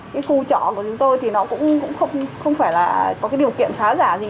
cái khu trọ của chúng tôi thì nó cũng không phải là có cái điều kiện khá giả gì